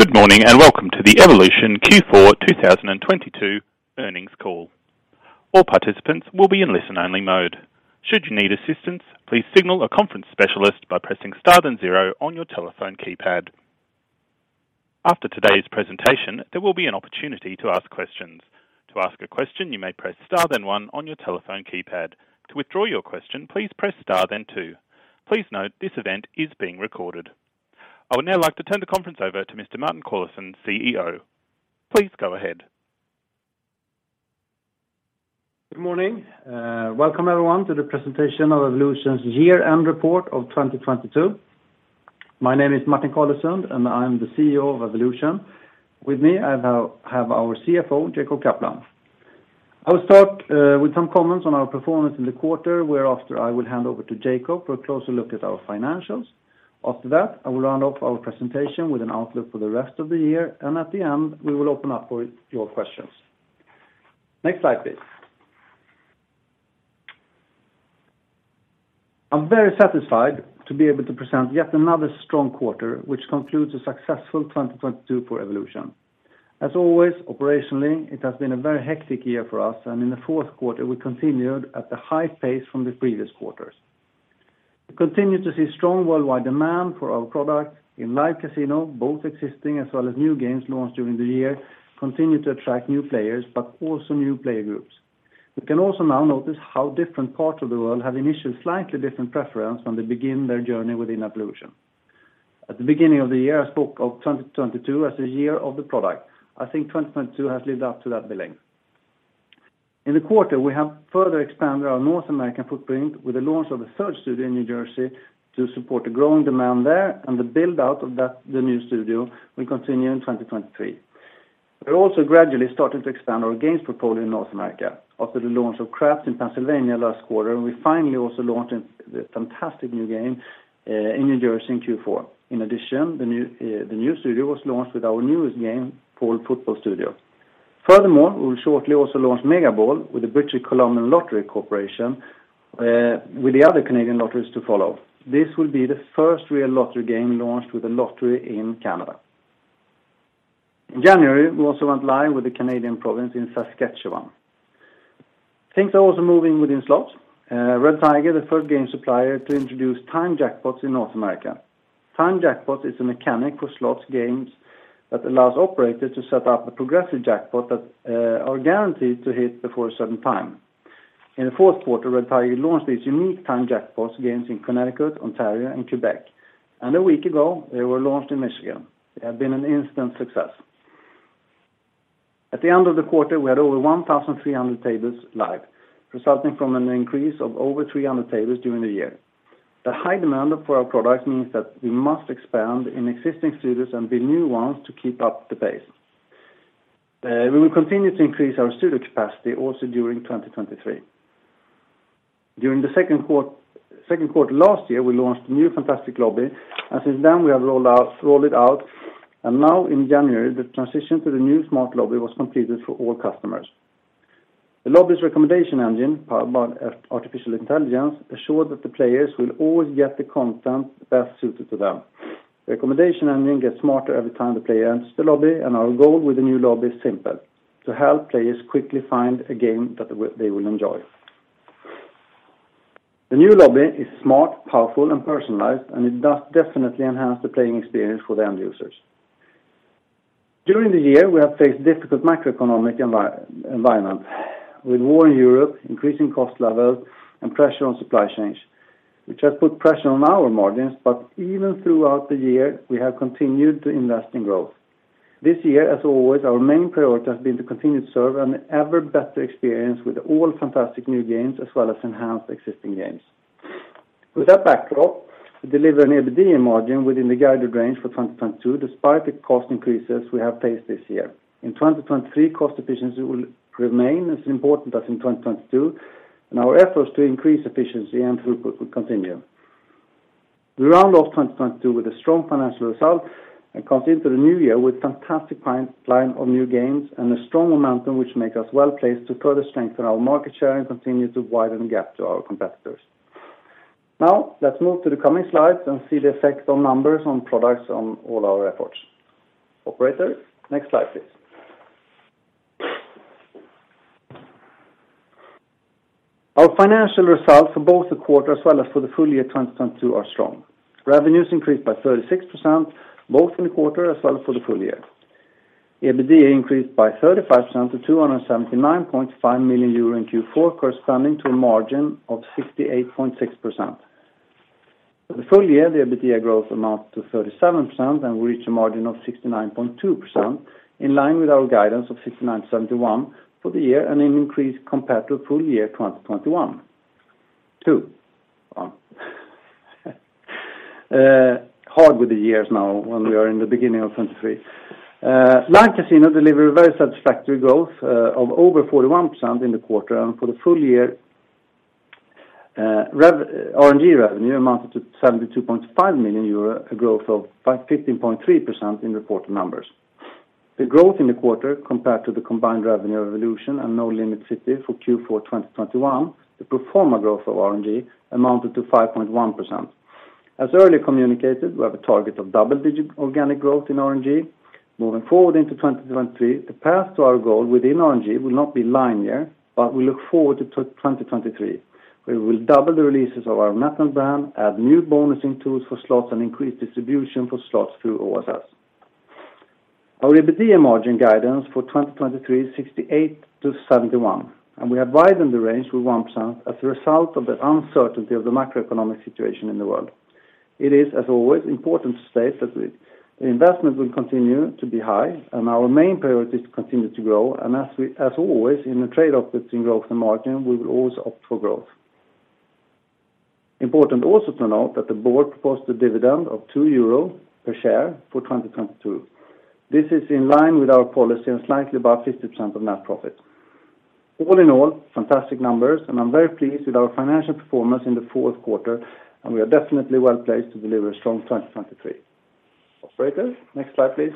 Good morning, and welcome to the Evolution Q4 2022 Earnings Call. All participants will be in listen-only mode. Should you need assistance, please signal a conference specialist by pressing star then zero on your telephone keypad. After today's presentation, there will be an opportunity to ask questions. To ask a question, you may press star then one on your telephone keypad. To withdraw your question, please press star then two. Please note this event is being recorded. I would now like to turn the conference over to Mr. Martin Carlesund, CEO. Please go ahead. Good morning. Welcome everyone to the presentation of Evolution's year-end report of 2022. My name is Martin Carlesund, and I'm the CEO of Evolution. With me, I have our CFO, Jacob Kaplan. I'll start with some comments on our performance in the quarter, where after I will hand over to Jacob for a closer look at our financials. After that, I will run off our presentation with an outlook for the rest of the year, and at the end, we will open up for your questions. Next slide, please. I'm very satisfied to be able to present yet another strong quarter, which concludes a successful 2022 for Evolution. As always, operationally, it has been a very hectic year for us, and in the 4th quarter, we continued at the high pace from the previous quarters. We continue to see strong worldwide demand for our products in live casino, both existing as well as new games launched during the year, continue to attract new players, but also new player groups. We can also now notice how different parts of the world have initial slightly different preference when they begin their journey within Evolution. At the beginning of the year, I spoke of 2022 as a year of the product. I think 2022 has lived up to that billing. In the quarter, we have further expanded our North American footprint with the launch of a third studio in New Jersey to support the growing demand there, and the build-out of the new studio will continue in 2023. We're also gradually starting to expand our games portfolio in North America. After the launch of Craps in Pennsylvania last quarter, we finally also launched the fantastic new game in New Jersey in Q4. In addition, the new studio was launched with our newest game called Football Studio. Furthermore, we will shortly also launch Mega Ball with the British Columbia Lottery Corporation, with the other Canadian lotteries to follow. This will be the first real lottery game launched with a lottery in Canada. In January, we also went live with the Canadian province in Saskatchewan. Things are also moving within slots. Red Tiger, the third game supplier to introduce timed jackpots in North America. Timed jackpot is a mechanic for slots games that allows operators to set up a progressive jackpot that are guaranteed to hit before a certain time. In the 4th quarter, Red Tiger launched these unique timed jackpots games in Connecticut, Ontario, and Quebec. A week ago, they were launched in Michigan. They have been an instant success. At the end of the quarter, we had over 1,300 tables live, resulting from an increase of over 300 tables during the year. The high demand for our products means that we must expand in existing studios and build new ones to keep up the pace. We will continue to increase our studio capacity also during 2023. During the 2nd quarter last year, we launched a new fantastic lobby, and since then we have rolled it out, and now in January, the transition to the new smart lobby was completed for all customers. The lobby's recommendation engine, powered by artificial intelligence, assured that the players will always get the content best suited to them. Recommendation engine gets smarter every time the player enters the lobby, and our goal with the new lobby is simple: to help players quickly find a game that they will enjoy. The new lobby is smart, powerful, and personalized, and it does definitely enhance the playing experience for the end users. During the year, we have faced difficult macroeconomic environment. With war in Europe, increasing cost levels, and pressure on supply chains, which has put pressure on our margins, but even throughout the year, we have continued to invest in growth. This year, as always, our main priority has been to continue to serve an ever-better experience with all fantastic new games, as well as enhanced existing games. With that backdrop, we deliver an EBITDA margin within the guided range for 2022, despite the cost increases we have faced this year. In 2023, cost efficiency will remain as important as in 2022, and our efforts to increase efficiency and throughput will continue. We round off 2022 with a strong financial result and continue to the new year with fantastic pipeline of new games and a strong momentum which make us well-placed to further strengthen our market share and continue to widen the gap to our competitors. Let's move to the coming slides and see the effect on numbers on products on all our efforts. Operator, next slide please. Our financial results for both the quarter as well as for the full year 2022 are strong. Revenues increased by 36%, both in the quarter as well as for the full year. EBITDA increased by 35% to 279.5 million euro in Q4, corresponding to a margin of 68.6%. For the full year, the EBITDA growth amount to 37% and reach a margin of 69.2% in line with our guidance of 69%-71% for the year and an increase compared to full year 2021. hard with the years now when we are in the beginning of 2023. Live Casino delivered a very satisfactory growth of over 41% in the quarter, and for the full year, RNG revenue amounted to 72.5 million euro, a growth of 15.3% in reported numbers. The growth in the quarter compared to the combined revenue Evolution and Nolimit City for Q4 2021, the pro forma growth of RNG amounted to 5.1%. As earlier communicated, we have a target of double-digit organic growth in RNG. Moving forward into 2023, the path to our goal within RNG will not be linear, but we look forward to 2023, where we will double the releases of our network brand, add new bonusing tools for slots, and increase distribution for slots through OSS. Our EBITDA margin guidance for 2023 is 68%-71%. We have widened the range with 1% as a result of the uncertainty of the macroeconomic situation in the world. It is, as always, important to state that the investment will continue to be high and our main priority is to continue to grow and as always in the trade-off between growth and margin, we will always opt for growth. Important also to note that the board proposed a dividend of 2 euro per share for 2022. This is in line with our policy and slightly above 50% of net profit. All in all, fantastic numbers. I'm very pleased with our financial performance in the 4th quarter, and we are definitely well-placed to deliver a strong 2023. Operator, next slide, please.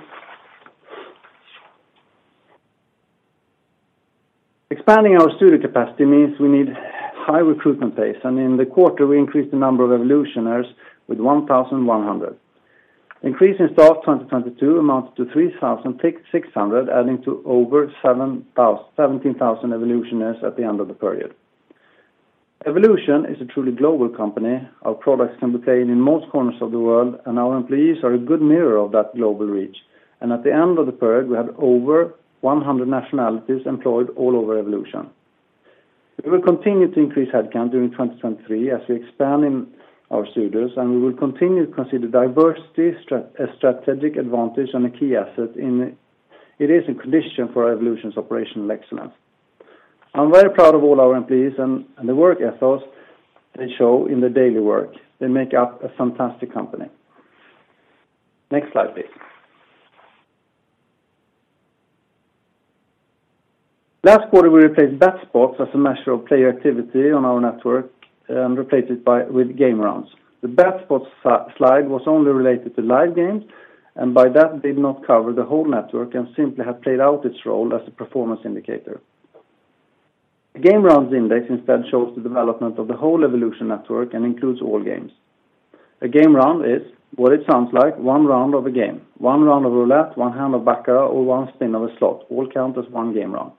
Expanding our studio capacity means we need high recruitment pace, and in the quarter we increased the number of Evolutioners with 1,100. Increase in staff 2022 amounts to 3,600, adding to over 17,000 Evolutioners at the end of the period. Evolution is a truly global company. Our products can be played in most corners of the world, and our employees are a good mirror of that global reach. At the end of the period, we have over 100 nationalities employed all over Evolution. We will continue to increase headcount during 2023 as we expand in our studios, we will continue to consider diversity as strategic advantage and a key asset in. It is a condition for Evolution's operational excellence. I'm very proud of all our employees and the work ethos they show in their daily work. They make up a fantastic company. Next slide, please. Last quarter, we replaced bet spots as a measure of player activity on our network and replaced it with game rounds. The bet spots slide was only related to live games, and by that did not cover the whole network and simply had played out its role as a performance indicator. The game rounds index instead shows the development of the whole Evolution network and includes all games. A game round is what it sounds like, one round of a game. One round of roulette, one hand of baccarat, or one spin of a slot all count as one game round.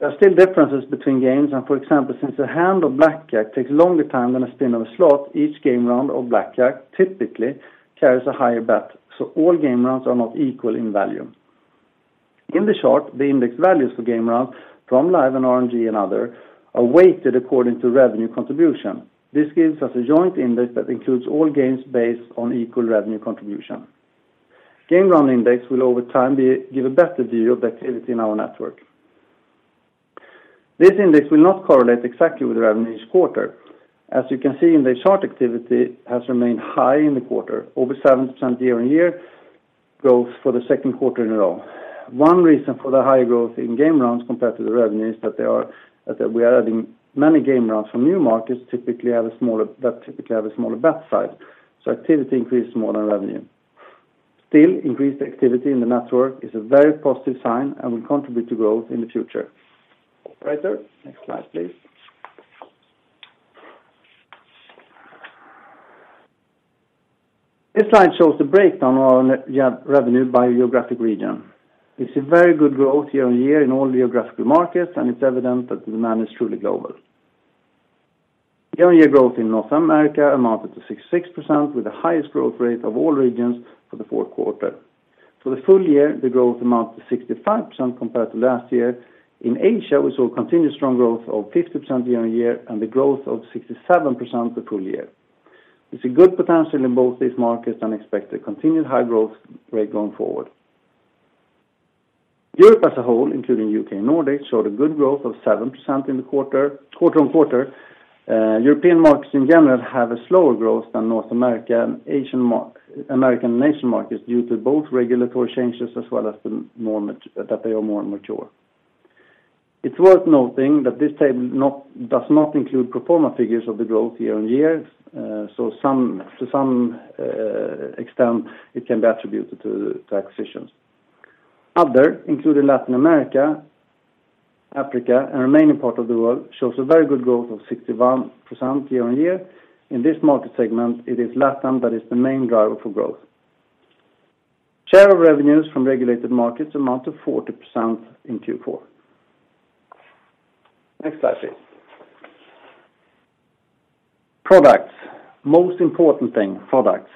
There are still differences between games and for example since a hand of blackjack takes longer time than a spin of a slot, each game round of blackjack typically carries a higher bet, so all game rounds are not equal in value. In the chart, the index values for game rounds from Live and RNG and Other are weighted according to revenue contribution. This gives us a joint index that includes all games based on equal revenue contribution. Game round index will over time give a better view of the activity in our network. This index will not correlate exactly with revenue each quarter. As you can see in the chart activity, has remained high in the quarter, over 7% year-on-year growth for the 2nd quarter in a row. One reason for the high growth in game rounds compared to the revenue is that we are adding many game rounds from new markets, that typically have a smaller bet size, so activity increases more than revenue. Increased activity in the network is a very positive sign and will contribute to growth in the future. Operator, next slide, please. This slide shows the breakdown of our net revenue by geographic region. It's a very good growth year-on-year in all geographical markets. It's evident that the demand is truly global. Year-on-year growth in North America amounted to 66% with the highest growth rate of all regions for the 4th quarter. For the full year, the growth amount to 65% compared to last year. In Asia, we saw continued strong growth of 50% year-on-year and the growth of 67% the full year. There's a good potential in both these markets and expect a continued high growth rate going forward. Europe as a whole, including U.K. and Nordic, showed a good growth of 7% in the quarter. Quarter-on-quarter, European markets in general have a slower growth than North America and American Asian markets due to both regulatory changes as well as that they are more mature. It's worth noting that this table does not include pro forma figures of the growth year-on-year. Some, to some extent, it can be attributed to the acquisitions. Other, including Latin America, Africa, and remaining part of the world, shows a very good growth of 61% year-on-year. In this market segment, it is LatAm that is the main driver for growth. Share of revenues from regulated markets amount to 40% in Q4. Next slide, please. Products. Most important thing, products.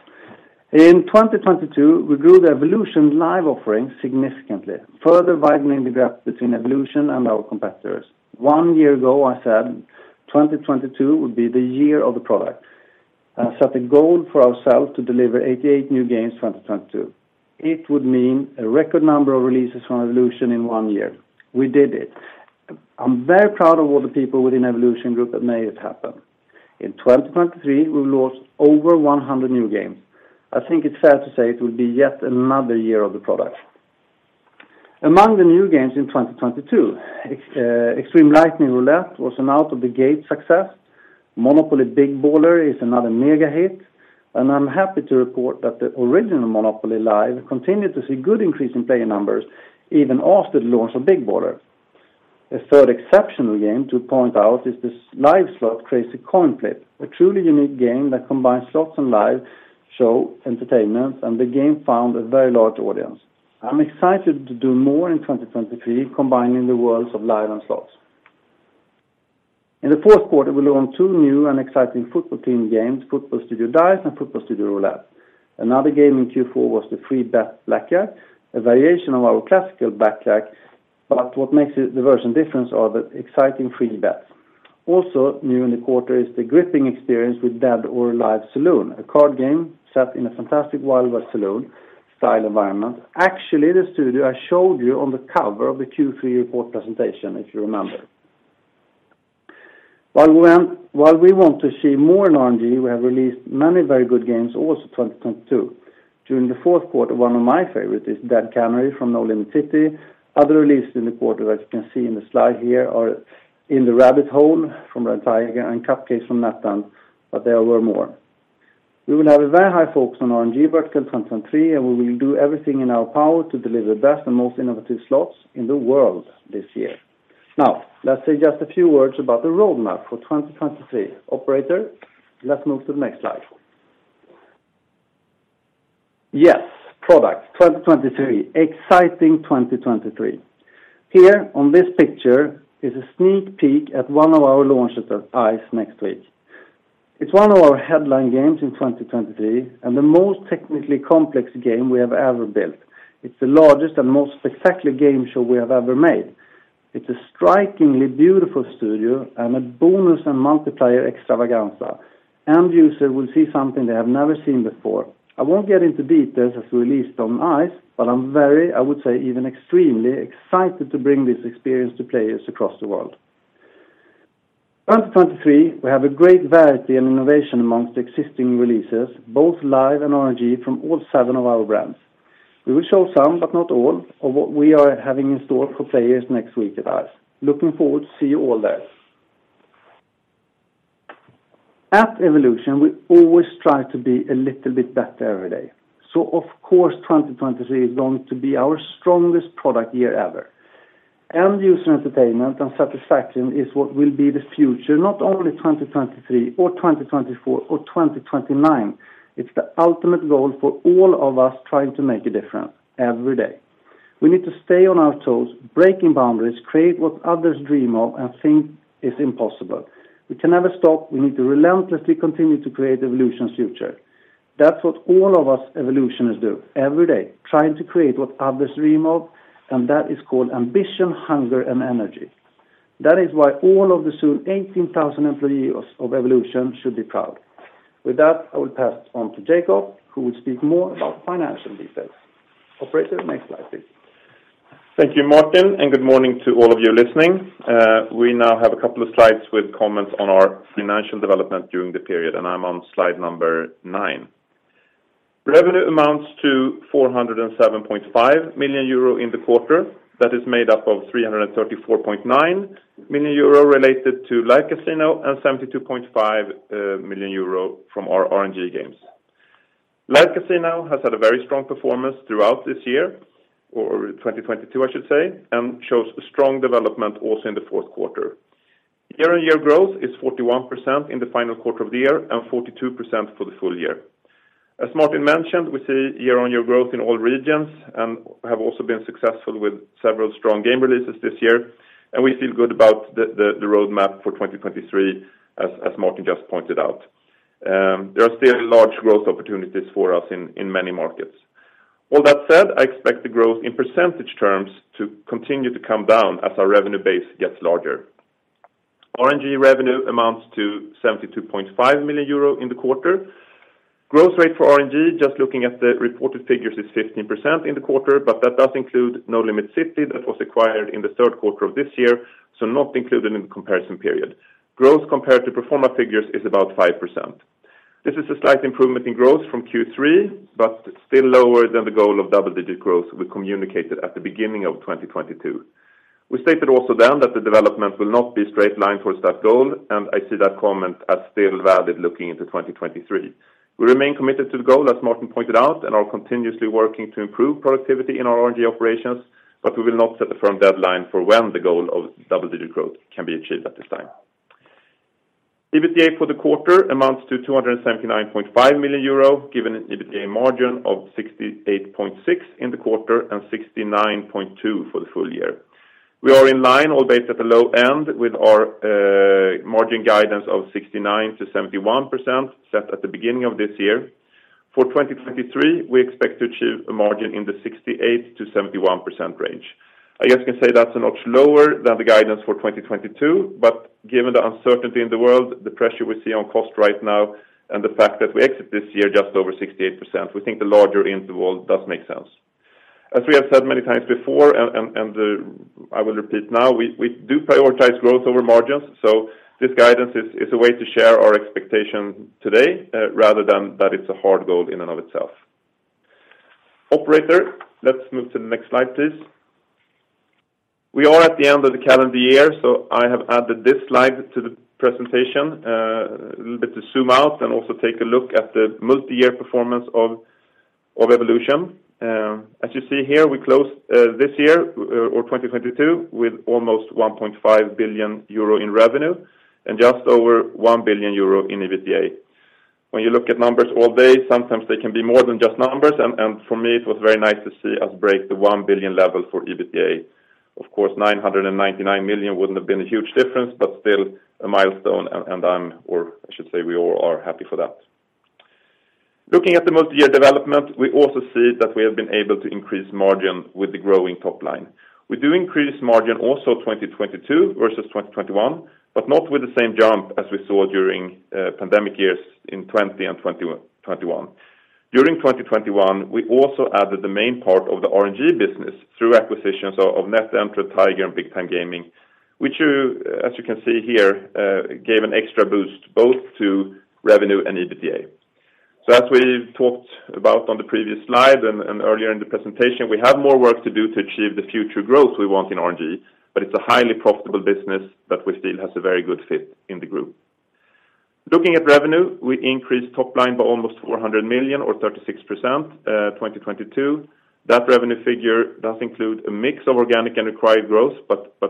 In 2022, we grew the Evolution live offering significantly, further widening the gap between Evolution and our competitors. One year ago, I said 2022 would be the year of the product. I set a goal for ourselves to deliver 88 new games in 2022. It would mean a record number of releases from Evolution in one year. We did it. I'm very proud of all the people within Evolution Group that made it happen. In 2023, we've launched over 100 new games. I think it's fair to say it will be yet another year of the product. Among the new games in 2022, XXXtreme Lightning Roulette was an out of the gate success. Monopoly Big Baller is another mega hit. I'm happy to report that the original Monopoly Live continued to see good increase in player numbers even after the launch of Big Baller. A third exceptional game to point out is this live slot Crazy Coin Flip, a truly unique game that combines slots and live show entertainment. The game found a very large audience. I'm excited to do more in 2023 combining the worlds of live and slots. In the 4th quarter, we launched two new and exciting football team games, Football Studio Dice and Football Studio Roulette. Another game in Q4 was the Free Bet Blackjack, a variation of our classical blackjack. What makes the version different are the exciting free bets. Also new in the quarter is the gripping experience with Dead or Alive: Saloon, a card game set in a fantastic wild west saloon style environment. Actually, the studio I showed you on the cover of the Q3 report presentation, if you remember. While we want to see more in RNG, we have released many very good games also 2022. During the 4th quarter, one of my favorite is Dead Canary from Nolimit City. Other releases in the quarter, as you can see in the slide here, are In the Rabbit Hole from Red Tiger and Cupcakes from NetEnt, but there were more. We will have a very high focus on RNG vertical 2023, and we will do everything in our power to deliver the best and most innovative slots in the world this year. Let's say just a few words about the roadmap for 2023. Operator, let's move to the next slide. Products 2023. Exciting 2023. Here on this picture is a sneak peek at one of our launches at ICE next week. It's one of our headline games in 2023 and the most technically complex game we have ever built. It's the largest and most spectacular game show we have ever made. It's a strikingly beautiful studio and a bonus and multiplayer extravaganza. End user will see something they have never seen before. I won't get into details as we release on ICE, but I'm very, I would say even extremely excited to bring this experience to players across the world. 2023, we have a great variety and innovation amongst existing releases, both Live and RNG from all seven of our brands. We will show some, but not all of what we are having in store for players next week at ICE. Looking forward to see you all there. At Evolution, we always try to be a little bit better every day. Of course, 2023 is going to be our strongest product year ever. End user entertainment and satisfaction is what will be the future, not only 2023 or 2024 or 2029. It's the ultimate goal for all of us trying to make a difference every day. We need to stay on our toes, breaking boundaries, create what others dream of and think is impossible. We can never stop. We need to relentlessly continue to create Evolution's future. That's what all of us Evolutioners do every day, trying to create what others dream of, that is called ambition, hunger, and energy. That is why all of the soon 18,000 employee of Evolution should be proud. With that, I will pass on to Jacob, who will speak more about financial details. Operator, next slide, please. Thank you, Martin. Good morning to all of you listening. We now have a couple of slides with comments on our financial development during the period. I'm on slide 9. Revenue amounts to 407.5 million euro in the quarter. That is made up of 334.9 million euro related to Live Casino and 72.5 million euro from our RNG games. Live Casino has had a very strong performance throughout this year, or 2022, I should say. Shows a strong development also in the 4th quarter. Year-on-year growth is 41% in the final quarter of the year and 42% for the full year. As Martin mentioned, we see year-on-year growth in all regions. Have also been successful with several strong game releases this year. We feel good about the roadmap for 2023 as Martin just pointed out. There are still large growth opportunities for us in many markets. All that said, I expect the growth in percentage terms to continue to come down as our revenue base gets larger. RNG revenue amounts to 72.5 million euro in the quarter. Growth rate for RNG, just looking at the reported figures, is 15% in the quarter, but that does include Nolimit City that was acquired in the 3rd quarter of this year, so not included in the comparison period. Growth compared to pro forma figures is about 5%. This is a slight improvement in growth from Q3, but still lower than the goal of double-digit growth we communicated at the beginning of 2022. We stated also then that the development will not be straight line towards that goal, and I see that comment as still valid looking into 2023. We remain committed to the goal, as Martin pointed out, and are continuously working to improve productivity in our RNG operations, but we will not set a firm deadline for when the goal of double-digit growth can be achieved at this time. EBITDA for the quarter amounts to 279.5 million euro, given an EBITDA margin of 68.6% in the quarter and 69.2% for the full year. We are in line or based at the low end with our margin guidance of 69%-71% set at the beginning of this year. For 2023, we expect to achieve a margin in the 68%-71% range. I guess you can say that's a notch lower than the guidance for 2022, but given the uncertainty in the world, the pressure we see on cost right now, and the fact that we exit this year just over 68%, we think the larger interval does make sense. As we have said many times before, and I will repeat now, we do prioritize growth over margins, so this guidance is a way to share our expectation today, rather than that it's a hard goal in and of itself. Operator, let's move to the next slide, please. We are at the end of the calendar year, so I have added this slide to the presentation, a little bit to zoom out and also take a look at the multi-year performance of Evolution. As you see here, we closed this year, or 2022 with almost 1.5 billion euro in revenue and just over 1 billion euro in EBITDA. When you look at numbers all day, sometimes they can be more than just numbers, and for me, it was very nice to see us break the 1 billion level for EBITDA. Of course, 999 million wouldn't have been a huge difference, but still a milestone, and I'm, or I should say we all are happy for that. Looking at the multi-year development, we also see that we have been able to increase margin with the growing top line. We do increase margin also 2022 versus 2021, but not with the same jump as we saw during pandemic years in 2020 and 2021. During 2021, we also added the main part of the RNG business through acquisitions of NetEnt, Red Tiger, and Big Time Gaming, which as you can see here, gave an extra boost both to revenue and EBITDA. As we talked about on the previous slide and earlier in the presentation, we have more work to do to achieve the future growth we want in RNG, but it's a highly profitable business that we feel has a very good fit in the group. Looking at revenue, we increased top line by almost 400 million or 36%, 2022. That revenue figure does include a mix of organic and acquired growth.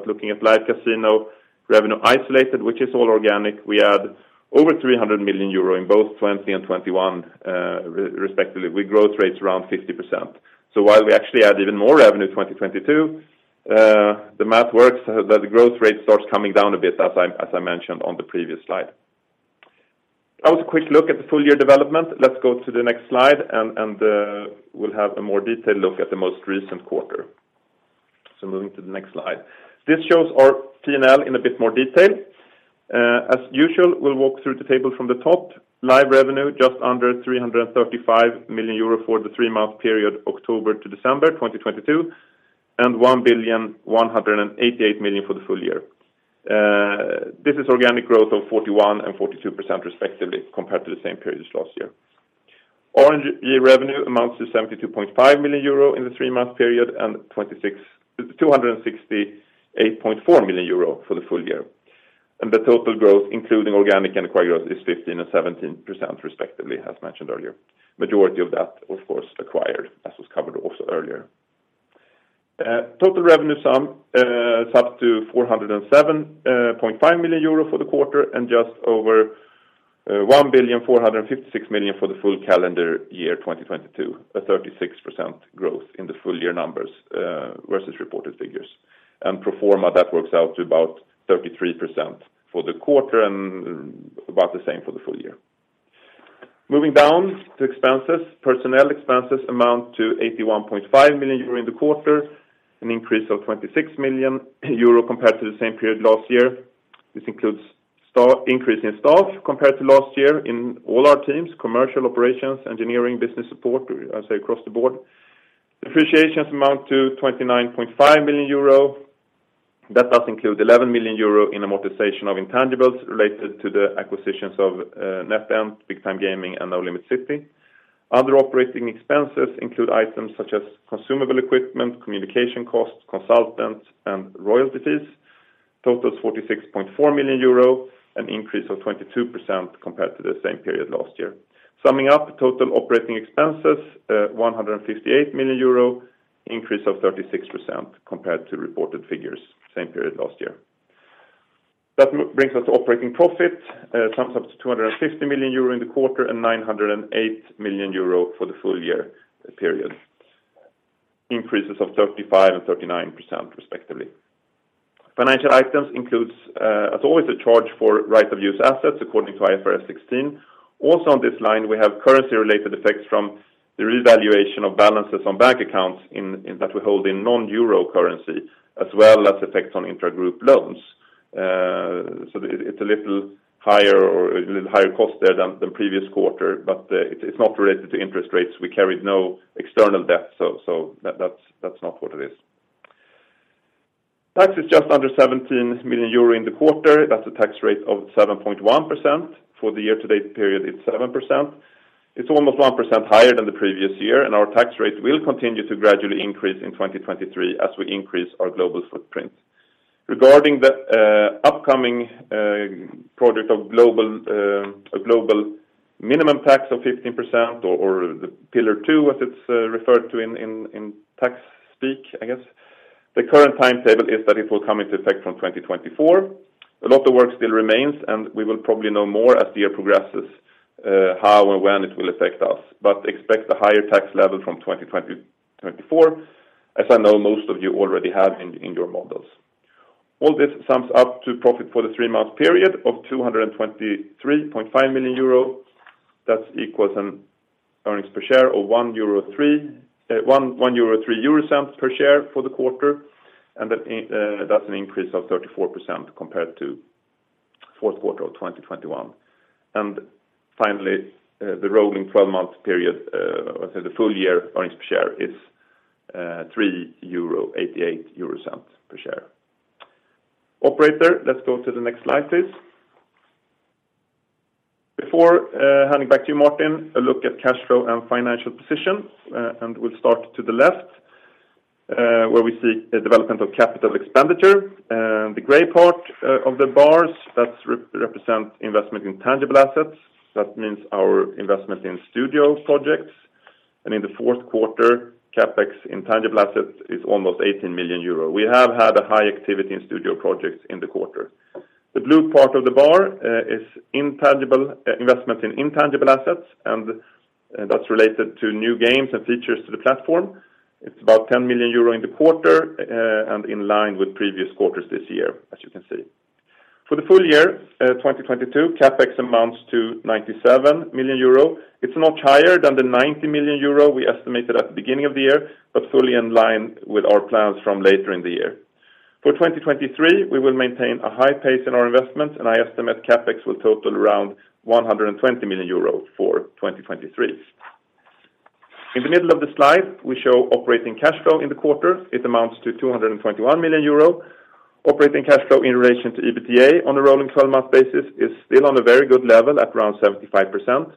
Looking at Live Casino revenue isolated, which is all organic, we add over 300 million euro in both 2020 and 2021, respectively, with growth rates around 50%. While we actually add even more revenue, 2022, the math works so that the growth rate starts coming down a bit, as I mentioned on the previous slide. That was a quick look at the full year development. Let's go to the next slide and we'll have a more detailed look at the most recent quarter. Moving to the next slide. This shows our P&L in a bit more detail. As usual, we'll walk through the table from the top. Live revenue just under 335 million euro for the three-month period, October to December 2022, and 1.188 billion for the full year. This is organic growth of 41% and 42% respectively compared to the same period as last year. RNG year revenue amounts to 72.5 million euro in the three-month period and 268.4 million euro for the full year. The total growth, including organic and acquired growth, is 15% and 17% respectively, as mentioned earlier. Majority of that, of course, acquired, as was covered also earlier. Total revenue sum is up to 407.5 million euro for the quarter and just over 1,456 million for the full calendar year 2022, a 36% growth in the full year numbers versus reported figures. Pro forma, that works out to about 33% for the quarter and about the same for the full year. Moving down to expenses. Personnel expenses amount to 81.5 million euro in the quarter, an increase of 26 million euro compared to the same period last year. This includes increase in staff compared to last year in all our teams, commercial operations, engineering, business support, I'd say across the board. Depreciations amount to 29.5 million euro. That does include 11 million euro in amortization of intangibles related to the acquisitions of NetEnt, Big Time Gaming, and Nolimit City. Other operating expenses include items such as consumable equipment, communication costs, consultants, and royalties. Totals 46.4 million euro, an increase of 22% compared to the same period last year. Summing up total operating expenses, 158 million euro, increase of 36% compared to reported figures same period last year. That brings us to operating profit. Sums up to 250 million euro in the quarter and 908 million euro for the full year period. Increases of 35% and 39% respectively. Financial items includes, as always, a charge for right of use assets according to IFRS 16. Also on this line, we have currency-related effects from the revaluation of balances on bank accounts that we hold in non-Euro currency, as well as effects on intra-group loans. It's a little higher cost there than previous quarter, it's not related to interest rates. We carried no external debt, so that's not what it is. Tax is just under 17 million euro in the quarter. That's a tax rate of 7.1%. For the year-to-date period, it's 7%. It's almost 1% higher than the previous year, our tax rate will continue to gradually increase in 2023 as we increase our global footprint. Regarding the upcoming project of global minimum tax of 15% or the Pillar Two, as it's referred to in tax speak, I guess, the current timetable is that it will come into effect from 2024. A lot of work still remains, we will probably know more as the year progresses, how and when it will affect us. Expect a higher tax level from 2024, as I know most of you already have in your models. All this sums up to profit for the three-month period of 223.5 million euro. That equals an earnings per share of 1.03 euro per share for the quarter. That's an increase of 34% compared to 4th quarter of 2021. Finally, the rolling 12-month period, let's say the full year earnings per share is 3.88 euro per share. Operator, let's go to the next slide, please. Before handing back to you Martin, a look at cash flow and financial position. We'll start to the left, where we see the development of capital expenditure. The gray part of the bars that represent investment in tangible assets. That means our investment in studio projects. In the 4th quarter, CapEx in tangible assets is almost 18 million euro. We have had a high activity in studio projects in the quarter. The blue part of the bar is investment in intangible assets, and that's related to new games and features to the platform. It's about 10 million euro in the quarter, and in line with previous quarters this year, as you can see. For the full year 2022, CapEx amounts to 97 million euro. It's not higher than the 90 million euro we estimated at the beginning of the year, but fully in line with our plans from later in the year. For 2023, we will maintain a high pace in our investment, and I estimate CapEx will total around 120 million euros for 2023. In the middle of the slide, we show operating cash flow in the quarter. It amounts to 221 million euro. Operating cash flow in relation to EBITDA on a rolling 12-month basis is still on a very good level at around 75%.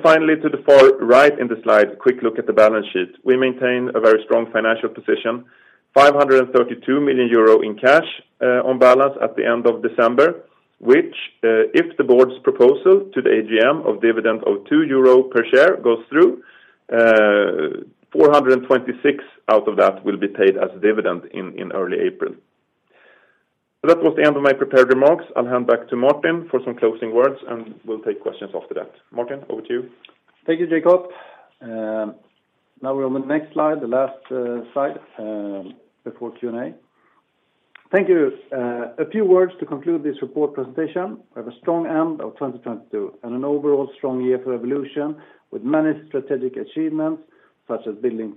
Finally, to the far right in the slide, quick look at the balance sheet. We maintain a very strong financial position, 532 million euro in cash on balance at the end of December, which, if the board's proposal to the AGM of dividend of 2 euro per share goes through, 426 million out of that will be paid as a dividend in early April. That was the end of my prepared remarks. I'll hand back to Martin for some closing words, and we'll take questions after that. Martin, over to you. Thank you, Jacob. Now we're on the next slide, the last slide before Q&A. Thank you. A few words to conclude this report presentation. We have a strong end of 2022 and an overall strong year for Evolution, with many strategic achievements such as building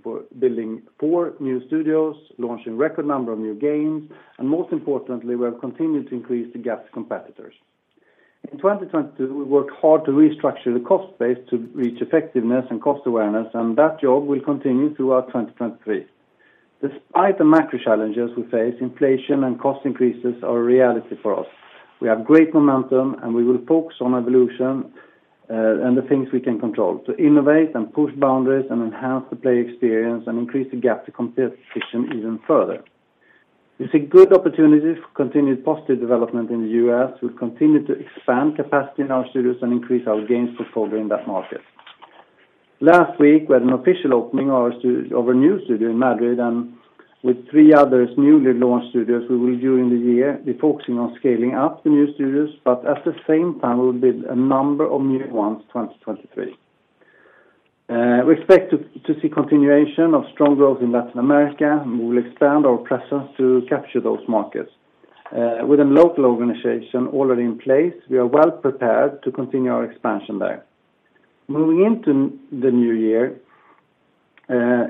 four new studios, launching record number of new games, and most importantly, we have continued to increase the gap to competitors. In 2022, we worked hard to restructure the cost base to reach effectiveness and cost awareness, and that job will continue throughout 2023. Despite the macro challenges we face, inflation and cost increases are a reality for us. We have great momentum, and we will focus on Evolution and the things we can control to innovate and push boundaries and enhance the play experience and increase the gap to competition even further. We see good opportunities for continued positive development in the U.S. We'll continue to expand capacity in our studios and increase our games portfolio in that market. Last week, we had an official opening of our new studio in Madrid, and with three others newly launched studios, we will during the year, be focusing on scaling up the new studios, but at the same time, we will build a number of new ones in 2023. We expect to see continuation of strong growth in Latin America, and we will expand our presence to capture those markets. With a local organization already in place, we are well prepared to continue our expansion there. Moving into the new year,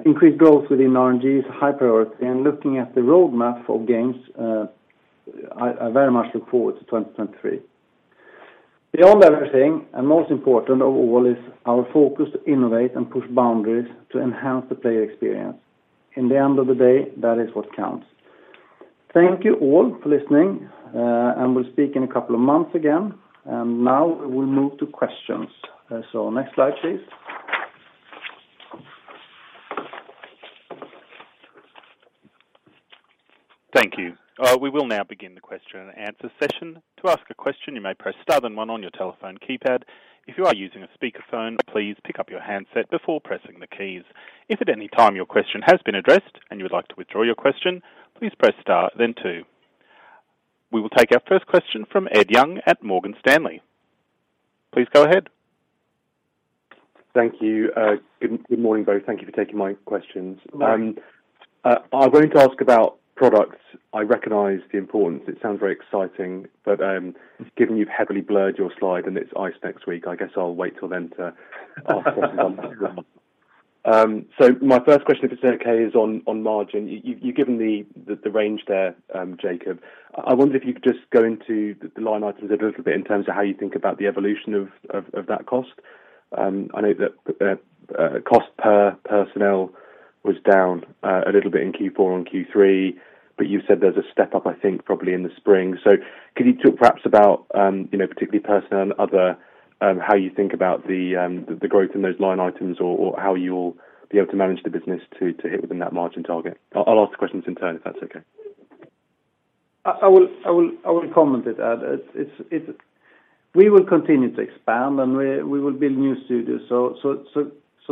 increased growth within RNG is a high priority, and looking at the roadmap of games, I very much look forward to 2023. Beyond everything, and most important of all is our focus to innovate and push boundaries to enhance the player experience. In the end of the day, that is what counts. Thank you all for listening, and we'll speak in a couple of months again. Now we move to questions. Next slide, please. Thank you. We will now begin the question and answer session. To ask a question, you may press star then one on your telephone keypad. If you are using a speakerphone, please pick up your handset before pressing the keys. If at any time your question has been addressed and you would like to withdraw your question, please press star then two. We will take our first question from Ed Young at Morgan Stanley. Please go ahead. Thank you. Good morning, both. Thank you for taking my questions. I'm going to ask about products. I recognize the importance. It sounds very exciting, but given you've heavily blurred your slide and it's ICE next week, I guess I'll wait till then to ask questions on that one. My first question, if it's okay, is on margin. You've given the range there, Jacob. I wonder if you could just go into the line items a little bit in terms of how you think about the evolution of that cost. I know that cost per personnel was down a little bit in Q4 on Q3, but you've said there's a step up, I think, probably in the spring. Could you talk perhaps about, you know, particularly personnel and other, how you think about the growth in those line items or how you'll be able to manage the business to hit within that margin target? I'll ask the questions in turn if that's okay. I will comment it, Ed. It's. We will continue to expand, and we will build new studios.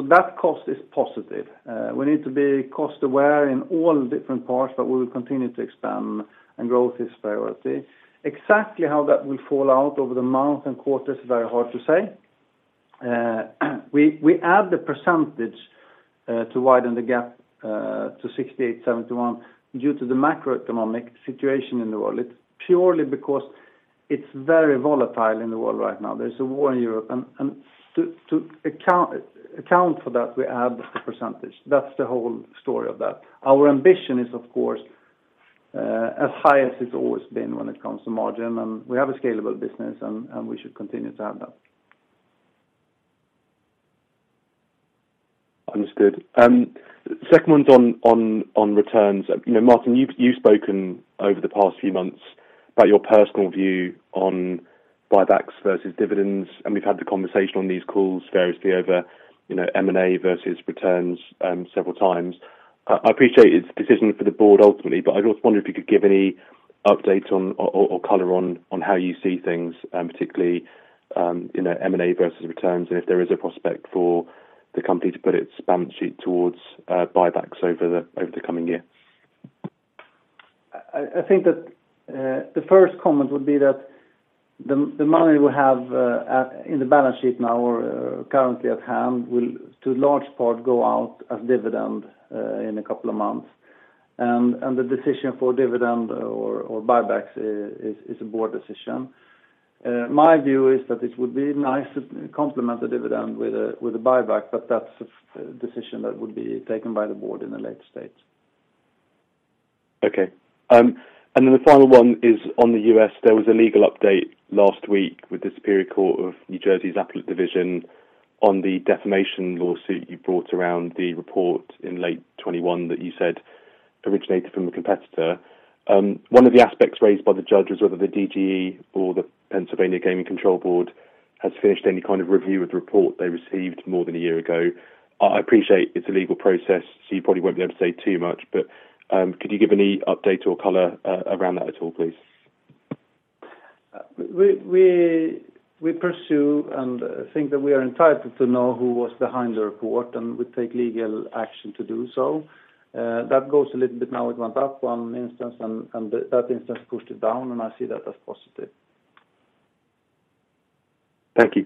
That cost is positive. We need to be cost aware in all different parts, but we will continue to expand and growth is priority. Exactly how that will fall out over the months and quarters is very hard to say. We add the percentage to widen the gap to 68%-71% due to the macroeconomic situation in the world. It's purely because it's very volatile in the world right now. There's a war in Europe, and to account for that, we add the percentage. That's the whole story of that. Our ambition is, of course, as high as it's always been when it comes to margin, and we have a scalable business, and we should continue to have that. Understood. Second one's on returns. You know, Martin, you've spoken over the past few months about your personal view on buybacks versus dividends. We've had the conversation on these calls variously over, you know, M&A versus returns, several times. I appreciate it's a decision for the board ultimately. I just wondered if you could give any update on or color on how you see things, particularly, you know, M&A versus returns and if there is a prospect for the company to put its balance sheet towards, buybacks over the coming year. I think that the first comment would be that the money we have in the balance sheet now or currently at hand will, to large part go out as dividend in a couple of months. The decision for dividend or buybacks is a board decision. My view is that it would be nice to complement the dividend with a buyback, but that's a decision that would be taken by the board in a later stage. Okay. Then the final one is on the U.S. There was a legal update last week with the Superior Court of New Jersey's Appellate Division on the defamation lawsuit you brought around the report in late 2021 that you said originated from a competitor. One of the aspects raised by the judge was whether the DGE or the Pennsylvania Gaming Control Board has finished any kind of review of the report they received more than a year ago. I appreciate it's a legal process, so you probably won't be able to say too much, but, could you give any update or color around that at all, please? We pursue and think that we are entitled to know who was behind the report, and we take legal action to do so. That goes a little bit now. It went up one instance and that instance pushed it down, and I see that as positive. Thank you.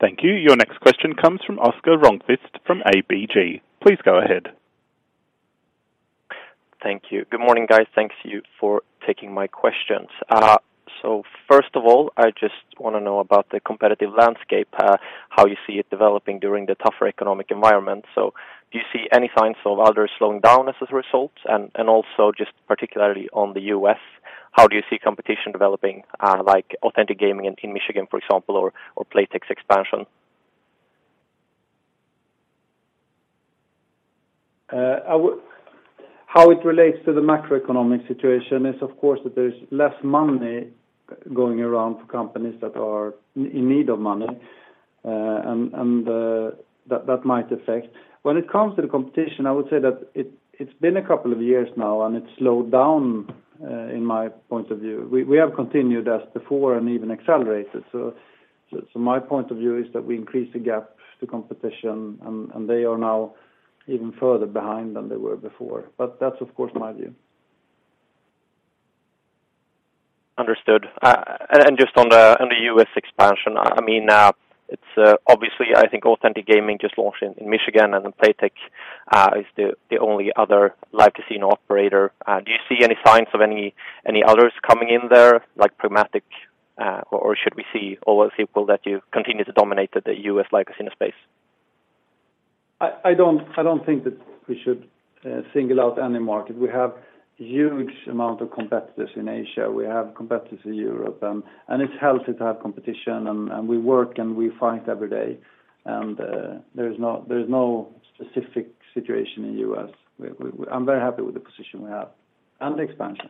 Thank you. Your next question comes from Oscar Rönnkvist from ABG. Please go ahead. Thank you. Good morning, guys. Thank you for taking my questions. First of all, I just wanna know about the competitive landscape, how you see it developing during the tougher economic environment. Do you see any signs of others slowing down as a result? And also just particularly on the U.S., how do you see competition developing, like Authentic Gaming in Michigan, for example, or Playtech's expansion? How it relates to the macroeconomic situation is of course that there's less money going around for companies that are in need of money, and that might affect. When it comes to the competition, I would say that it's been a couple of years now, and it's slowed down in my point of view. We have continued as before and even accelerated. My point of view is that we increase the gap to competition and they are now even further behind than they were before. That's of course my view. Understood. Just on the U.S. expansion, I mean, obviously I think Authentic Gaming just launched in Michigan and then Playtech is the only other Live Casino operator. Do you see any signs of any others coming in there, like Pragmatic? Or should we see or assume that you continue to dominate the U.S. Live Casino space? I don't think that we should single out any market. We have huge amount of competitors in Asia. We have competitors in Europe. It's healthy to have competition and we work, and we fight every day. There is no specific situation in U.S. I'm very happy with the position we have and the expansion.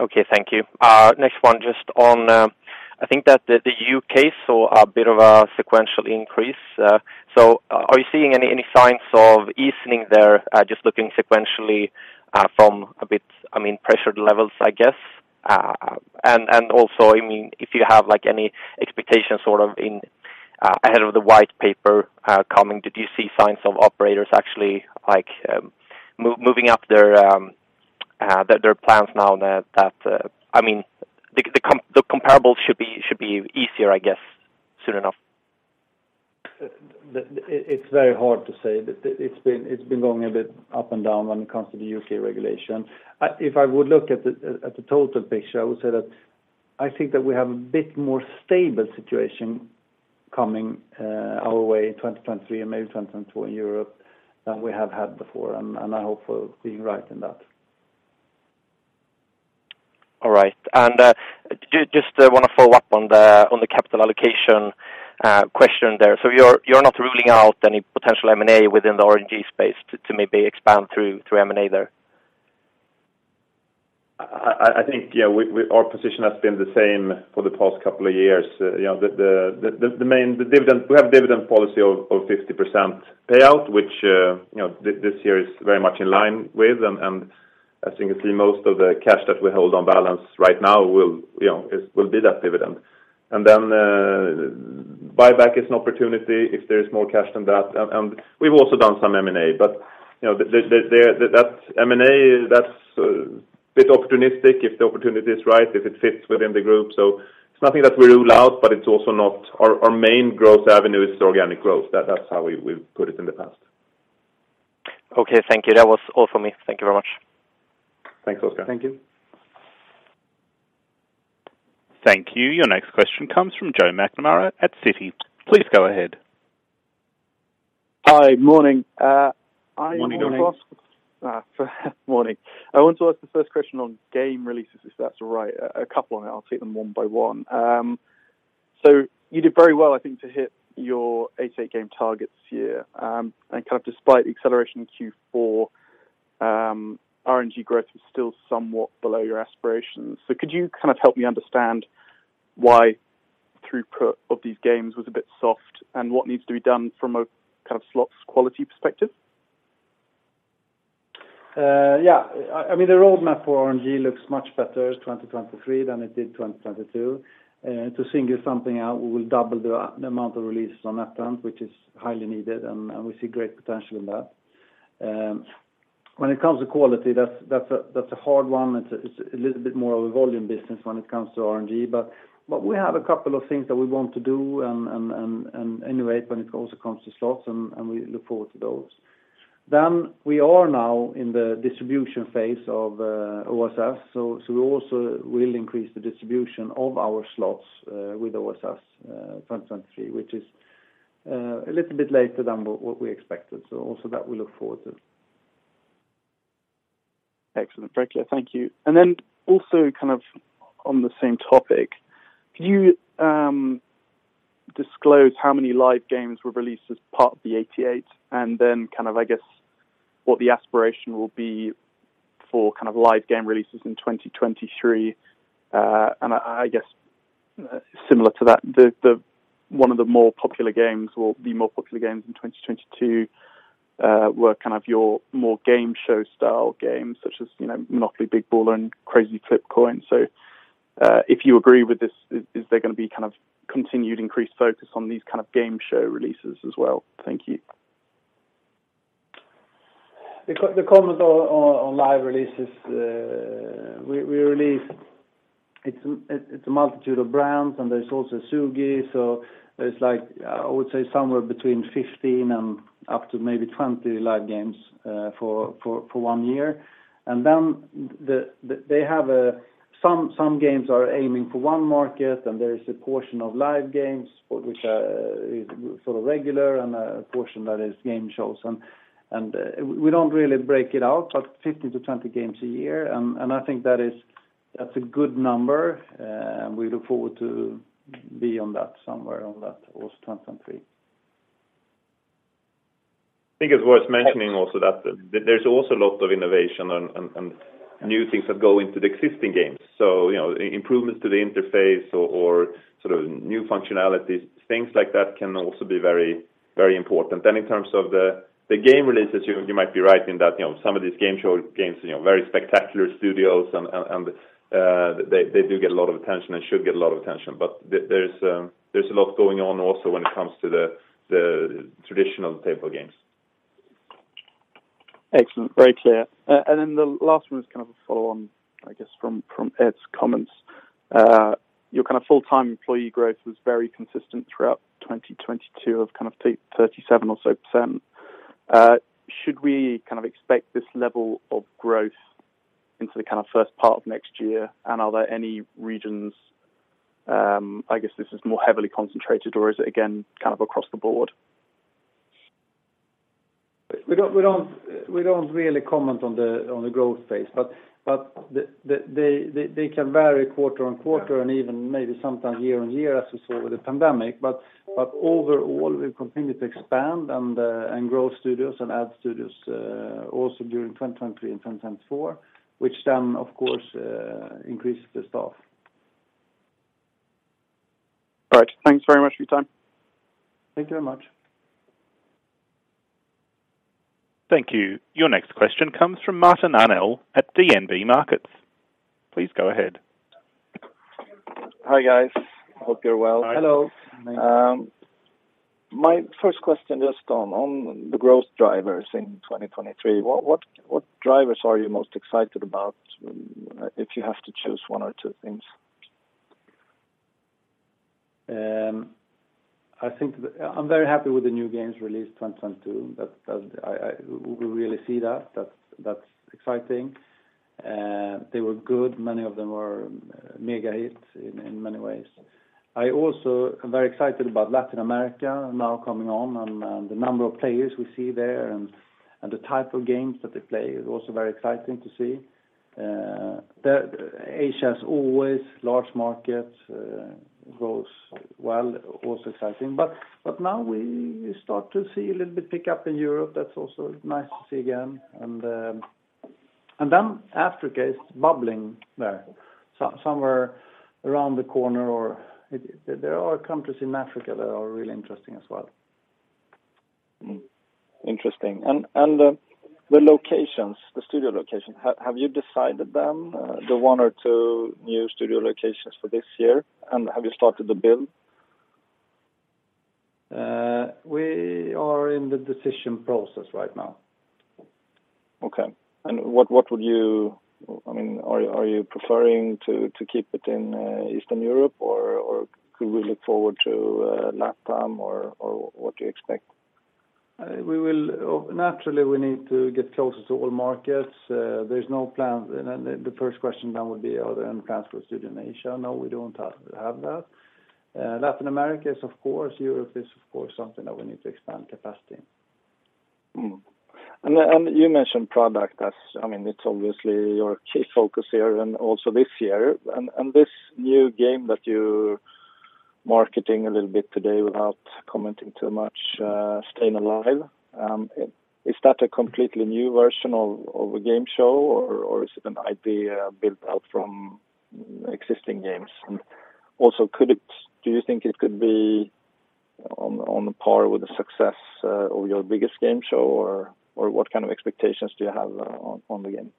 Okay, thank you. Next one, just on, I think that the U.K. saw a bit of a sequential increase. Are you seeing any signs of easing there, just looking sequentially, from a bit, I mean, pressured levels, I guess? Also, I mean, if you have, like, any expectations sort of in ahead of the white paper coming, did you see signs of operators actually like, moving up their plans now that, I mean, the comparable should be easier, I guess, soon enough? It's very hard to say. The, it's been going a bit up and down when it comes to the U.K. regulation. If I would look at the, at the total picture, I would say that I think that we have a bit more stable situation coming our way in 2023 and maybe 2022 in Europe than we have had before, and I hope we're being right in that. All right. Just wanna follow up on the capital allocation question there. You're not ruling out any potential M&A within the RNG space to maybe expand through M&A there? I think, yeah, our position has been the same for the past couple of years. You know, the dividend. We have dividend policy of 50% payout, which, you know, this year is very much in line with, and I think you see most of the cash that we hold on balance right now will, you know, is, will be that dividend. Buyback is an opportunity if there is more cash than that. We've also done some M&A, but, you know, that's M&A, that's a bit opportunistic if the opportunity is right, if it fits within the group. It's nothing that we rule out, but it's also not our main growth avenue is organic growth. That's how we've put it in the past. Okay, thank you. That was all for me. Thank you very much. Thanks, Oscar. Thank you. Thank you. Your next question comes from Joe McNamara at Citi. Please go ahead. Hi. Morning. Morning I want to ask. Morning. I want to ask the first question on game releases, if that's all right. A couple and I'll take them one by one. You did very well, I think, to hit your 88 game targets here. And kind of despite the acceleration in Q4, RNG growth was still somewhat below your aspirations. Could you kind of help me understand why throughput of these games was a bit soft and what needs to be done from a kind of slots quality perspective? Yeah. I mean, the roadmap for RNG looks much better 2023 than it did 2022. To single something out, we will double the amount of releases on that front, which is highly needed, and we see great potential in that. When it comes to quality, that's a hard one. It's a little bit more of a volume business when it comes to RNG. We have a couple of things that we want to do and innovate when it also comes to slots, and we look forward to those. We are now in the distribution phase of OSS. We also will increase the distribution of our slots with OSS 2023, which is a little bit later than what we expected. Also that we look forward to. Excellent. Very clear. Thank you. Then also kind of on the same topic, can you disclose how many live games were released as part of the 88, and then kind of, I guess, what the aspiration will be for kind of live game releases in 2023? I guess similar to that, the one of the more popular games or the more popular games in 2022, were kind of your more game show style games such as, you know, MONOPOLY Big Baller and Crazy Coin Flip. If you agree with this, is there gonna be kind of continued increased focus on these kind of game show releases as well? Thank you. The comment on live releases, we released it's a multitude of brands, and there's also Ezugi, so it's like I would say somewhere between 15 and up to maybe 20 live games for one year. They have some games are aiming for one market, and there is a portion of live games which is sort of regular and a portion that is game shows. We don't really break it out, but 15 to 20 games a year. I think that's a good number. We look forward to be on that, somewhere on that also 2023. I think it's worth mentioning also that there's also a lot of innovation and new things that go into the existing games. You know, improvements to the interface or sort of new functionalities. Things like that can also be very, very important. In terms of the game releases, you might be right in that, you know, some of these game show games, you know, very spectacular studios and they do get a lot of attention and should get a lot of attention. There's a lot going on also when it comes to the traditional table games. Excellent. Very clear. The last one is kind of a follow on, I guess, from Ed's comments. Your kind of full-time employee growth was very consistent throughout 2022 of kind of 37% or so. Should we kind of expect this level of growth into the kind of first part of next year? Are there any regions, I guess this is more heavily concentrated or is it again, kind of across the board? We don't really comment on the growth phase, but they can vary quarter-on-quarter and even maybe sometimes year-on-year as we saw with the pandemic. Overall we continue to expand and grow studios and add studios also during 2023 and 2024, which then of course increases the staff. All right. Thanks very much for your time. Thank you very much. Thank you. Your next question comes from Martin Arnell at DNB Markets. Please go ahead. Hi, guys. Hope you're well. Hi. Hello. My first question just on the growth drivers in 2023. What drivers are you most excited about if you have to choose one or two things? I think I'm very happy with the new games released 2022. That I we really see that. That's exciting. They were good. Many of them were mega hits in many ways. I also am very excited about Latin America now coming on and the number of players we see there and the type of games that they play is also very exciting to see. Asia as always, large markets, grows well, also exciting. But now we start to see a little bit pick up in Europe. That's also nice to see again. Africa is bubbling there somewhere around the corner or there are countries in Africa that are really interesting as well. Interesting. The locations, the studio locations, have you decided them, the one or two new studio locations for this year, and have you started the build? We are in the decision process right now. Okay. What would you, I mean, are you preferring to keep it in Eastern Europe or could we look forward to LatAm or what do you expect? Naturally, we need to get closer to all markets. There's no plan. The first question then would be, are there any plans for a studio in Asia? No, we don't have that. Latin America is of course, Europe is of course something that we need to expand capacity in. You mentioned product as, I mean, it's obviously your key focus here and also this year, and this new game that you're marketing a little bit today without commenting too much, Staying Alive, is that a completely new version of a game show, or is it an idea built out from existing games? Do you think it could be on par with the success of your biggest game show, or what kind of expectations do you have on the game?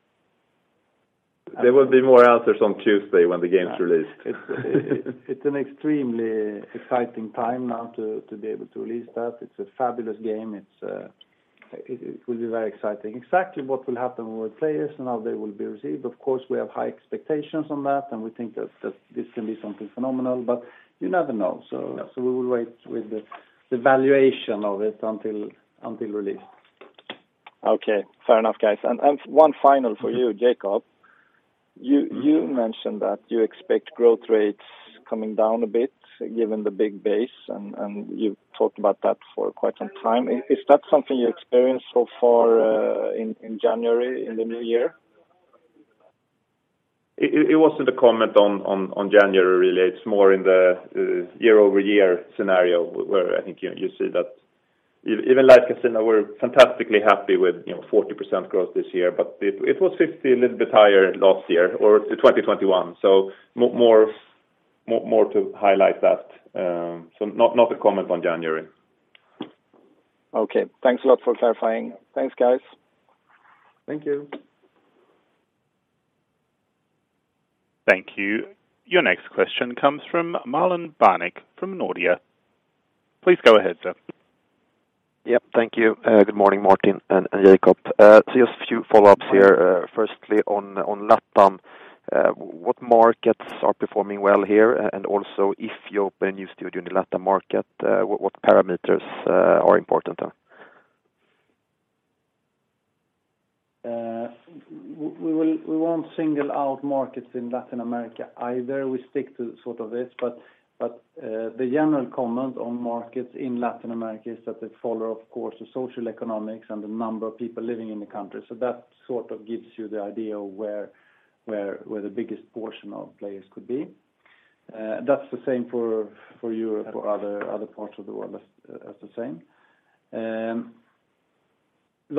There will be more answers on Tuesday when the game's released. It's an extremely exciting time now to be able to release that. It's a fabulous game. It will be very exciting. Exactly what will happen with players and how they will be received, of course, we have high expectations on that, and we think that this can be something phenomenal, but you never know. Yeah. We will wait with the valuation of it until release. Okay. Fair enough, guys. One final for you, Jacob. You mentioned that you expect growth rates coming down a bit given the big base, and you've talked about that for quite some time. Is that something you experienced so far in January, in the new year? It wasn't a comment on January, really. It's more in the year-over-year scenario where I think you see that even Live Casino we're fantastically happy with, you know, 40% growth this year. It was 50%, a little bit higher last year, or 2021. More to highlight that. Not a comment on January. Okay. Thanks a lot for clarifying. Thanks, guys. Thank you. Thank you. Your next question comes from Marlon Värnik from Nordea. Please go ahead, sir. Yep. Thank you. Good morning, Martin and Jacob. Just a few follow-ups here. Firstly on LATAM, what markets are performing well here? And also, if you open a new studio in the LATAM market, what parameters are important there? We won't single out markets in Latin America either. We stick to sort of this, but the general comment on markets in Latin America is that they follow, of course, the social economics and the number of people living in the country. That sort of gives you the idea of where the biggest portion of players could be. That's the same for Europe or other parts of the world as the same.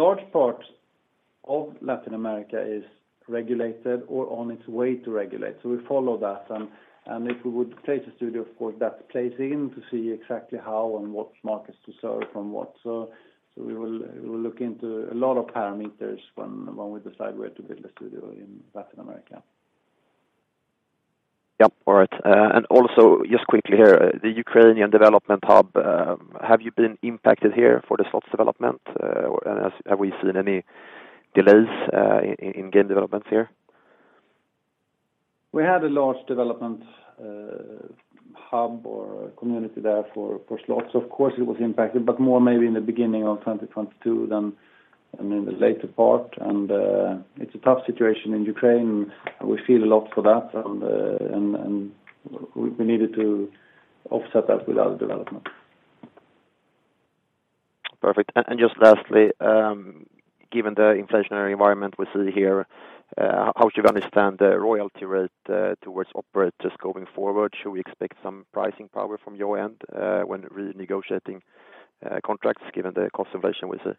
Large parts of Latin America is regulated or on its way to regulate. We follow that, and if we would place a studio for that place even to see exactly how and what markets to serve and what. We will look into a lot of parameters when we decide where to build a studio in Latin America. Yeah. All right. Also just quickly here, the Ukrainian development hub, have you been impacted here for the slots development? Have we seen any delays in game developments here? We had a large development hub or community there for slots. Of course it was impacted, but more maybe in the beginning of 2022 than in the later part. It's a tough situation in Ukraine. We feel a lot for that and we needed to offset that with our development. Perfect. Just lastly, given the inflationary environment we see here, how should we understand the royalty rate towards operators going forward? Should we expect some pricing power from your end when renegotiating contracts given the cost inflation we see?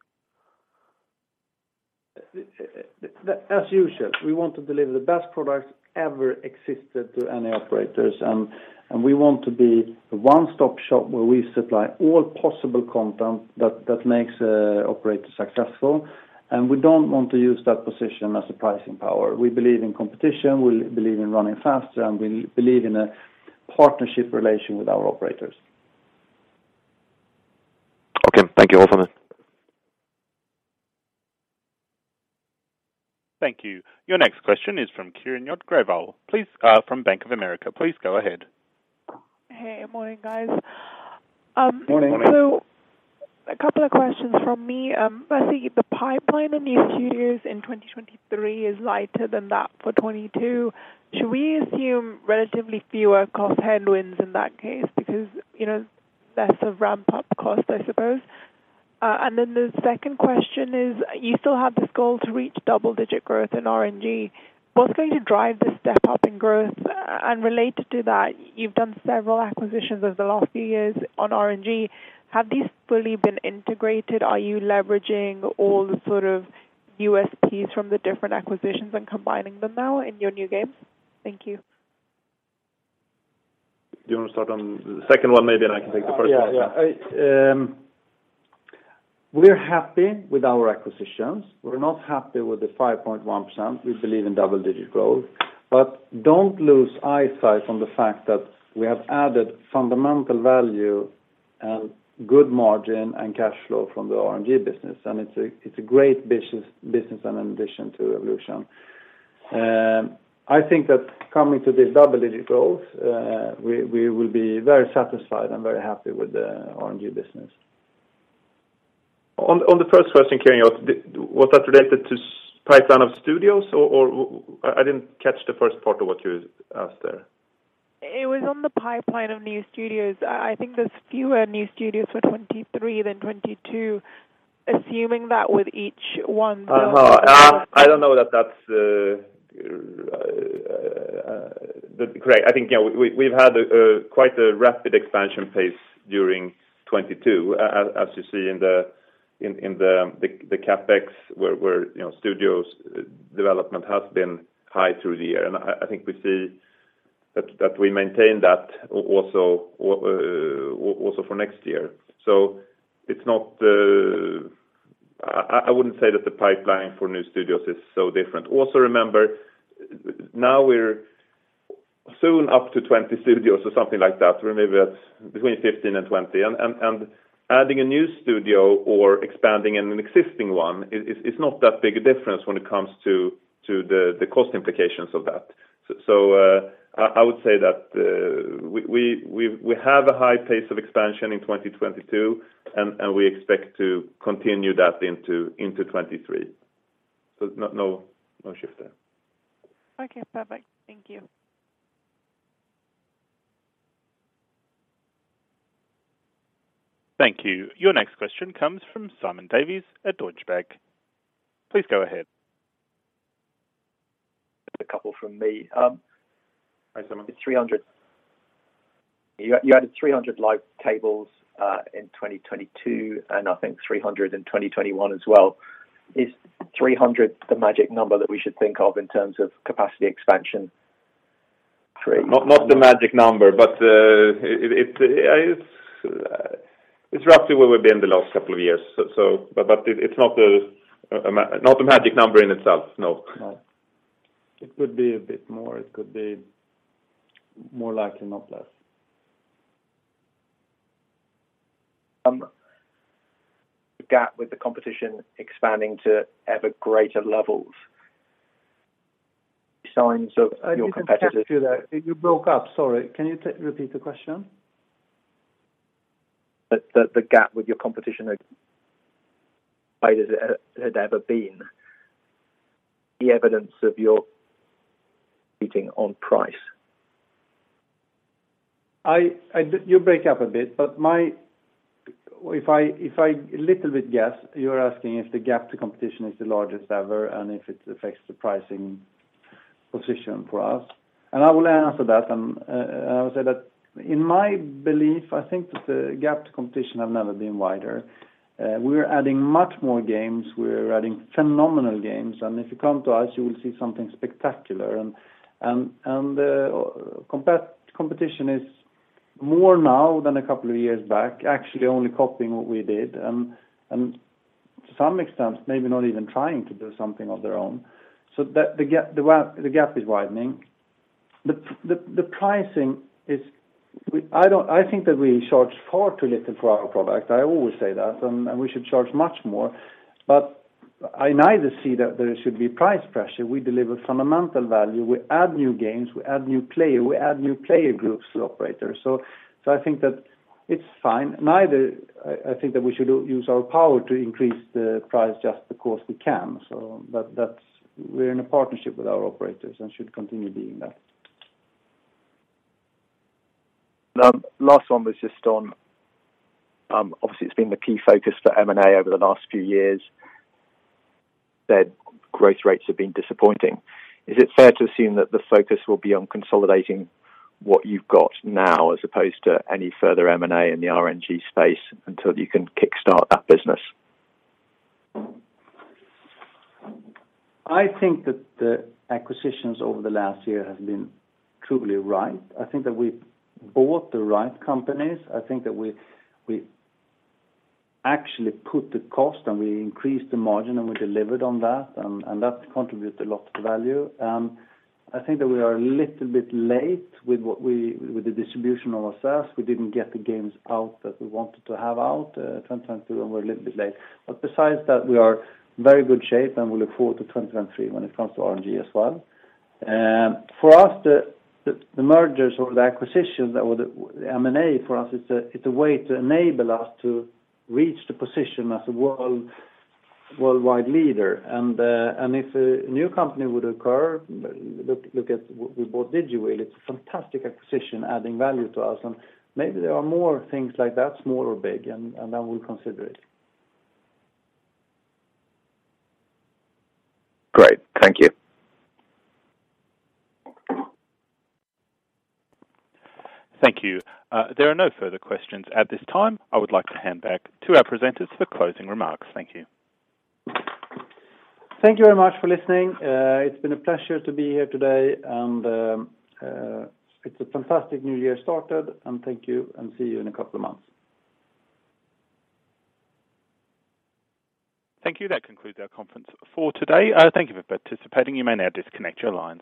As usual, we want to deliver the best products ever existed to any operators, and we want to be a one-stop shop where we supply all possible content that makes a operator successful, and we don't want to use that position as a pricing power. We believe in competition, we believe in running faster, and we believe in a partnership relation with our operators. Okay. Thank you. For now. Thank you. Your next question is from Kiran Ganesh from UBS, please go ahead. Hey, morning, guys. Morning. A couple of questions from me. Firstly, the pipeline on new studios in 2023 is lighter than that for 2022. Should we assume relatively fewer cost headwinds in that case because, you know, less of ramp-up cost, I suppose? The second question is, you still have this goal to reach double-digit growth in RNG. What's going to drive the step-up in growth? Related to that, you've done several acquisitions over the last few years on RNG. Have these fully been integrated? Are you leveraging all the sort of USPs from the different acquisitions and combining them now in your new games? Thank you. Do you wanna start on the second one maybe, and I can take the first one? Yeah. Yeah. I, we're happy with our acquisitions. We're not happy with the 5.1%. We believe in double-digit growth. Don't lose eyesight from the fact that we have added fundamental value and good margin and cash flow from the RNG business, and it's a great business and an addition to Evolution. I think that coming to the double-digit growth, we will be very satisfied and very happy with the RNG business. On the first question, Kiran Ganesh, was that related to pipeline of studios, or I didn't catch the first part of what you asked there? It was on the pipeline of new studios. I think there's fewer new studios for 2023 than 2022, assuming that with each. I don't know that that's Great. I think, you know, we've had a quite a rapid expansion pace during 2022, as you see in the CapEx where, you know, studios development has been high through the year. I think we see that we maintain that also for next year. It's not... I wouldn't say that the pipeline for new studios is so different. Also remember, now we're soon up to 20 studios or something like that, remember that between 15 and 20. Adding a new studio or expanding an existing one is not that big a difference when it comes to the cost implications of that. I would say that we have a high pace of expansion in 2022, and we expect to continue that into 2023. No shift there. Okay, perfect. Thank you. Thank you. Your next question comes from Simon Davies at Deutsche Bank. Please go ahead. A couple from me. Hi, Simon. 300. You added 300 live tables in 2022, and I think 300 in 2021 as well. Is 300 the magic number that we should think of in terms of capacity expansion for you? Not the magic number, but it's roughly where we've been the last couple of years. It's not a magic number in itself, no. No. It could be a bit more. It could be more likely, not less. The gap with the competition expanding to ever greater levels. Signs of your competitors. I didn't catch you there. You broke up. Sorry. Can you repeat the question? That the gap with your competition has ever been the evidence of your competing on price. You break up a bit, but my. If I little bit guess, you're asking if the gap to competition is the largest ever and if it affects the pricing position for us. I will answer that, and I will say that in my belief, I think that the gap to competition have never been wider. We're adding much more games, we're adding phenomenal games. If you come to us, you will see something spectacular. Competition is more now than a couple of years back, actually only copying what we did, and to some extent, maybe not even trying to do something of their own. The gap is widening. The pricing. I think that we charge far too little for our product. I always say that, and we should charge much more. I neither see that there should be price pressure. We deliver fundamental value, we add new games, we add new player, we add new player groups to operators. I think that it's fine. Neither I think that we should use our power to increase the price just because we can. But we're in a partnership with our operators and should continue being that. Last one was just on, obviously it's been the key focus for M&A over the last few years. Their growth rates have been disappointing. Is it fair to assume that the focus will be on consolidating what you've got now as opposed to any further M&A in the RNG space until you can kickstart that business? I think that the acquisitions over the last year has been truly right. I think that we've bought the right companies. I think that we actually put the cost and we increased the margin and we delivered on that, and that contribute a lot to value. I think that we are a little bit late with the distribution of ourselves. We didn't get the games out that we wanted to have out in 2022, and we're a little bit late. Besides that, we are very good shape, and we look forward to 2023 when it comes to RNG as well. For us, the mergers or the acquisitions or the M&A for us is a, it's a way to enable us to reach the position as a worldwide leader. If a new company would occur, look at we bought DigiWheel, it's a fantastic acquisition adding value to us. Maybe there are more things like that, small or big, and then we'll consider it. Great. Thank you. Thank you. There are no further questions at this time. I would like to hand back to our presenters for closing remarks. Thank you. Thank you very much for listening. It's been a pleasure to be here today, and it's a fantastic new year started. Thank you, and see you in a couple of months. Thank you. That concludes our conference for today. Thank you for participating. You may now disconnect your lines.